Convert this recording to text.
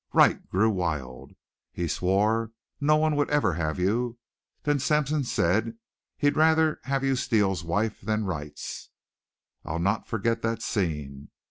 Wright grew wild. He swore no one would ever have you. Then Sampson said he'd rather have you Steele's wife than Wright's. "I'll not forget that scene.